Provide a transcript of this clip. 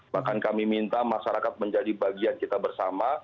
bahkan kami minta masyarakat menjadi bagian kita bersama